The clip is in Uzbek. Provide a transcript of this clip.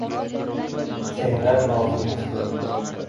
sendan rozi emasman.